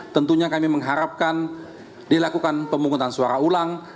tentunya kami mengharapkan dilakukan pemungutan suara ulang